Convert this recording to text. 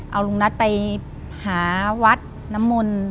เอาลุงนัทไปหาวัดน้ำมนต์